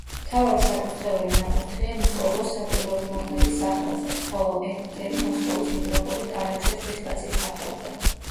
მთავარი საკურთხეველი ნაკურთხია ნიკოლოზ საკვირველთმოქმედის სახელზე, ხოლო ეგვტერი მოსკოვის მიტროპოლიტ ალექსი ღვთისკაცის სახელზე.